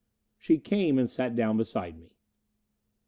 She came and sat down beside me.